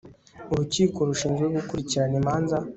urukiko rushinzwe gukurikirana imanza